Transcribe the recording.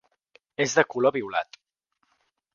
És de color violat.